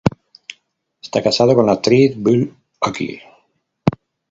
Está casado con la actriz Bulle Ogier.